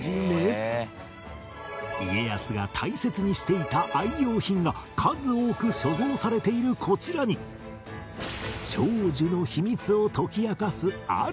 家康が大切にしていた愛用品が数多く所蔵されているこちらに長寿の秘密を解き明かすある品が